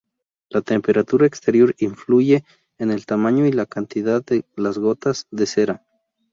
La temperatura exterior influye en el tamaño y cantidad de las gotas de cera.